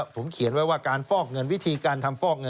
ผมเขียนไว้ว่าการฟอกเงิน